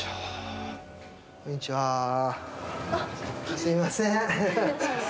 すいません。